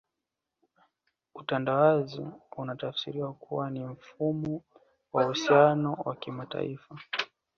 Utandawazi unatafsiriwa kuwa ni mfumo wa uhusiano wa kimataifa